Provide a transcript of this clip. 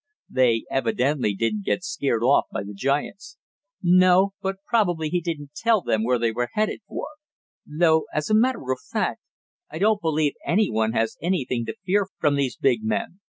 "They evidently didn't get scared off by the giants." "No, but probably he didn't tell them where they were headed for. Though, as a matter of fact, I don't believe any one has anything to fear from these big men.